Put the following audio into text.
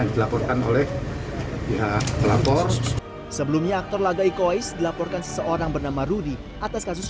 dilaporkan oleh ya lapor sebelumnya aktor lagai kois dilaporkan seseorang bernama rudy atas kasus